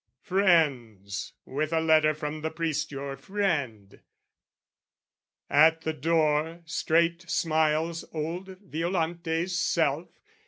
"Friends with a letter from the priest your friend." At the door, straight smiles old Violante's self.